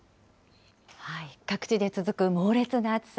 各地で続く猛烈な暑さ。